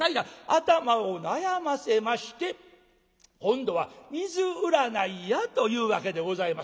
頭を悩ませまして今度は「水占いや」というわけでございます。